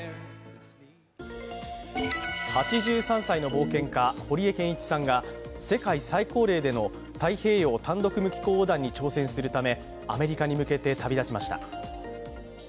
８３歳の冒険家、堀江謙一さんが世界最高齢での太平洋単独無寄港横断に挑戦するためアメリカに向けて旅立ちました。